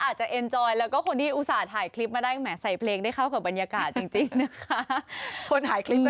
ฉันกลัวเขาใส่เลื่อนมากเลยคุณ